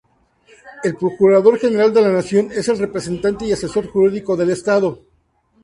El Procurador General de la Nación es el representante y asesor jurídico del Estado.